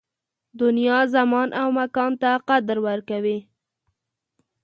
دنیا زمان او مکان ته قدر ورکوي